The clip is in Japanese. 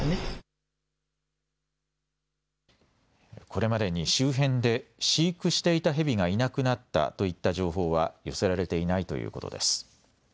これまでに周辺で飼育していたヘビがいなくなったといった情報は寄せられていないということです。